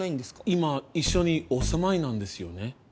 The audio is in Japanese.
今一緒にお住まいなんですよね？